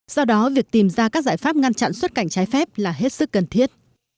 do đó việc tìm ra các giải pháp ngăn chặn xuất cảnh trái phép là hết sức cần thiết